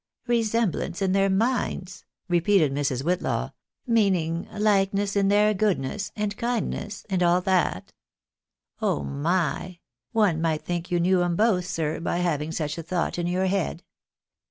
" Kcsemblance in their minds ?" repeated Mrs. "Whitlaw, " meaning, likeness in their goodness, and kindness, and all that ? Oh my ! one might think you knew 'em both, sir, by having such a thought in your head.